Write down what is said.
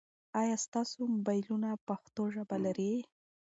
آیا ستاسو موبایلونه پښتو ژبه لري؟